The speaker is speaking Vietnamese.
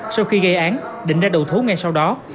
sau khi gây án định ra đầu thú ngay sau đó